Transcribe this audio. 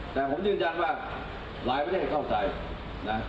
แต่ผมยืนยันว่าหลายประเทศเข้าใจนะ